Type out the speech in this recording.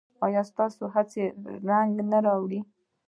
ایا ستاسو هڅې رنګ راوړي؟